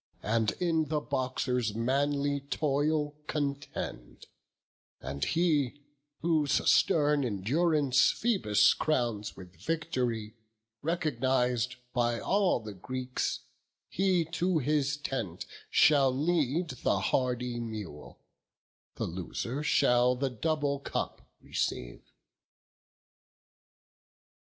And in the boxer's manly toil contend; And he, whose stern endurance Phoebus crowns With vict'ry, recogniz'd by all the Greeks, He to his tent shall lead the hardy mule; The loser shall the double cup receive."